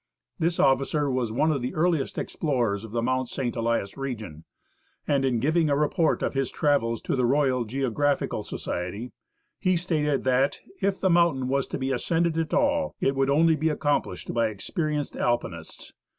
This officer was one of the earliest explorers of the Mount St. Elias region, and in giving a report of his travels to the Royal Geographical Society, he stated that " if the mountain was to be ascended at all, it would only be accomplished by experienced Alpinists."